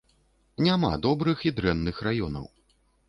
Няма добрых і дрэнных раёнаў.